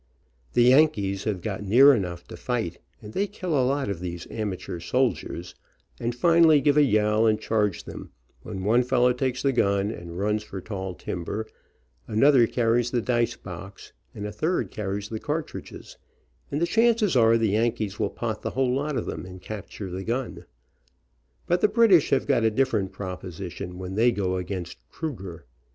The Yankees have got near enough to fight, and they kill a lot of these amateur soldiers, and finally give a yell and charge them, when one fellow takes the gun and runs for tall timber, another carries the dice box, and a third carries the cartridges, and the chances are the Yan kees will pot the whole lot of them, and cap ture the gun. But the British have got a dif f e r e n t proposition when they go against Kruger.